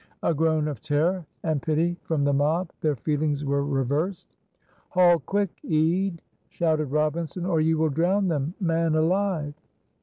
A groan of terror and pity from the mob their feelings were reversed. "Haul quick, Ede," shouted Robinson, "or you will drown them, man alive."